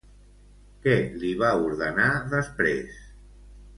Què li va ordenar després?